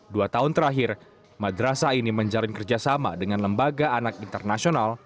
dua tahun terakhir madrasah ini menjalin kerjasama dengan lembaga anak internasional